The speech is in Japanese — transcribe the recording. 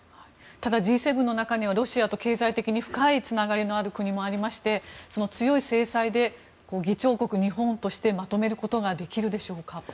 ただ、Ｇ７の中にはロシアと経済的に深いつながりのある国もありまして強い制裁で議長国、日本としてまとめることができるでしょうか。